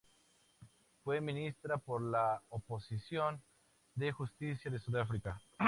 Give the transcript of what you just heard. Fue Ministra por la oposición de Justicia, de Sudáfrica.